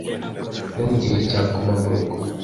no mu gihe cya guma mu rugo